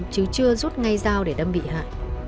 chứ chưa rút ngay dao để đâm bị hại